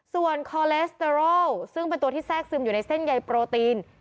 ส่วนคอเลสเตอรอลซึ่งเป็นตัวที่แทรกซึมอยู่ในเส้นใยโปรตีน